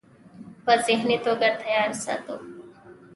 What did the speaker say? پۀ ذهني توګه تيار ساتو -